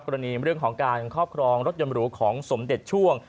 เรื่องของการครอบครองรถยนต์หรูของสมเด็จช่วง